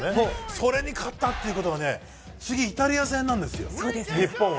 それに勝ったっていうことは次、イタリア戦なんですよ日本。